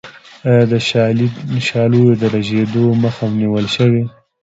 آیا د شالیو د رژیدو مخه نیولی شو؟